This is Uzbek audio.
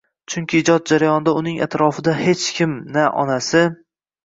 Chunki ijod jarayonida uning atrofida hech kim na onasi